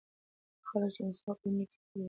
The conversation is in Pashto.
هغه خلک چې مسواک وهي نیکۍ یې ډېرېږي.